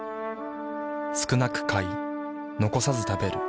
少なく買い残さず食べる。